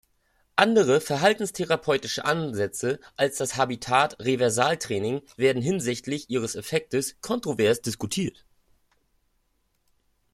Andere verhaltenstherapeutische Ansätze als das Habit-Reversal-Training werden hinsichtlich ihres Effektes kontrovers diskutiert.